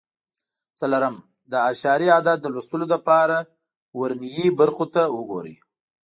څلورم: د اعشاري عدد د لوستلو لپاره ورنیي برخو ته وګورئ.